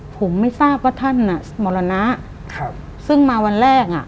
ผมไม่ทราบว่าท่านมรณะซึ่งมาวันแรก